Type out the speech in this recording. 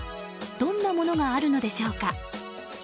どんなものがあるのでしょうか？